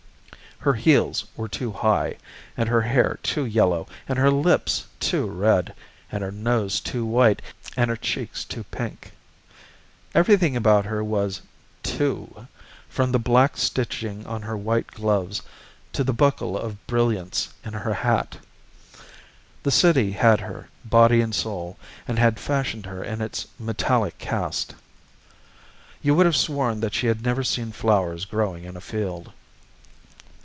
Her heels were too high, and her hair too yellow, and her lips too red, and her nose too white, and her cheeks too pink. Everything about her was "too," from the black stitching on her white gloves to the buckle of brilliants in her hat. The city had her, body and soul, and had fashioned her in its metallic cast. You would have sworn that she had never seen flowers growing in a field.